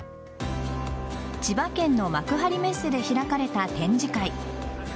千葉県の幕張メッセで開かれた展示会。